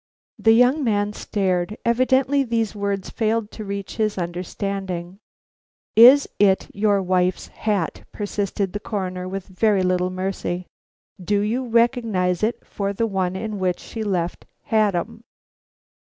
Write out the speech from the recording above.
The young man stared; evidently these words failed to reach his understanding. "Is it your wife's hat?" persisted the Coroner with very little mercy. "Do you recognize it for the one in which she left Haddam?"